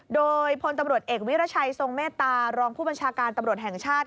โดยพตเอกวิรชัยทรงเมตตารองผู้บัญชาการตแห่งชาติ